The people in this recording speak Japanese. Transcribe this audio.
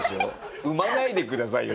生まないでくださいよ